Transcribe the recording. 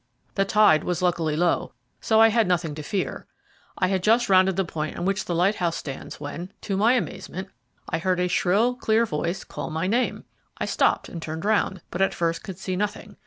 The tide was luckily low, so I had nothing to fear. I had just rounded the point on which the lighthouse stands when, to my amazement, I heard a shrill, clear voice call my name. I stopped and turned round, but at first could see nothing.